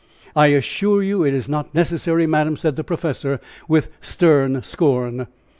"I assure you it is not necessary, madam," said the professor, with stern scorn.